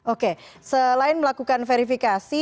oke selain melakukan verifikasi